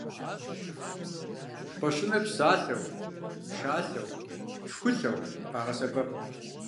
Кхъуэщыныр псылъэу, шалъэу, шхулъэу къагъэсэбэп.